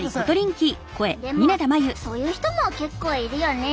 でもそういう人も結構いるよね。